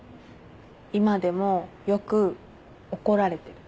今でもよく怒られてる。